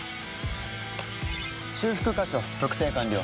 修復箇所特定完了。